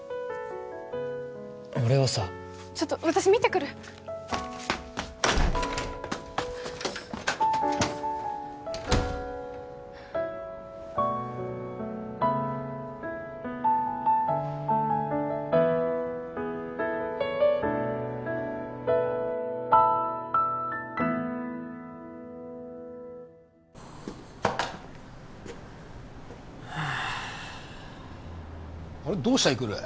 俺はさちょっと私見てくるはああれ？